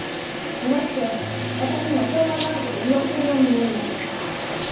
それって私には障がいがあること利用してるように見えるんだけど。